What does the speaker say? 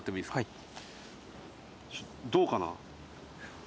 はい。